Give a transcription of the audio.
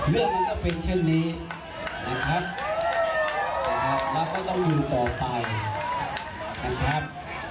เรื่องมันก็เป็นเช่นนี้นะครับเราก็ต้องอยู่ต่อไปนะครับ